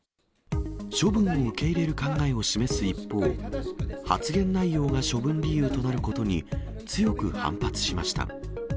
処分を受け入れる考えを示す一方、発言内容が処分理由となることに強く反発しました。